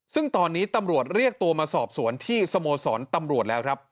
ซึ่งตอนนี้ตำรวจเรียกตัวมาสอบสวนที่สโมสรตำรวจแล้วครับ